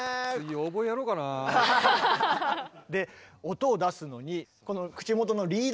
音を出すのにこの口元のリードですね。